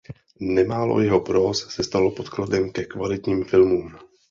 Nemálo jeho próz se stalo podkladem ke kvalitním filmům.